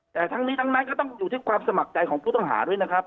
แต่ทั้งนี้ทั้งนั้นก็ต้องอยู่ที่ความสมัครใจของผู้ต้องหาด้วยนะครับ